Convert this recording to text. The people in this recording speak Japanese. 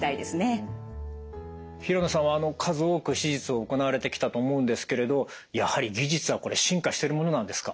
平能さんは数多く手術を行われてきたと思うんですけれどやはり技術はこれ進化してるものなんですか？